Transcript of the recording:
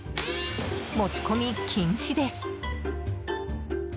持ち込み禁止です。